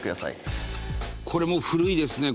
伊達：これも古いですね。